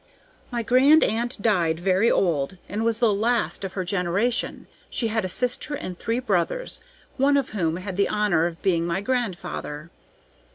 "My grand aunt died very old, and was the last of her generation. She had a sister and three brothers, one of whom had the honor of being my grandfather.